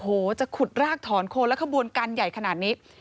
โอ้โหจะขุดรากถอนโคนและขบวนการใหญ่ขนาดนี้